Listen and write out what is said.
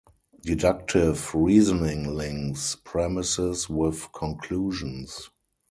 Deductive reasoning links premises with conclusions.